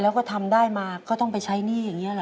แล้วก็ทำได้มาก็ต้องไปใช้หนี้อย่างนี้หรอ